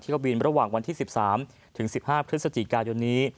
หรือฟ๒๕๐๐กันจากเถวบิน